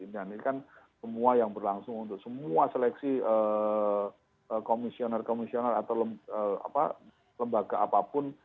ini kan semua yang berlangsung untuk semua seleksi komisioner komisioner atau lembaga apapun